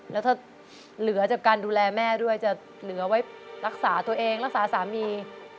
แล้วถ้าเหลือจากการดูแลแม่ด้วยจะเหลือไว้รักษาตัวเองรักษาสามี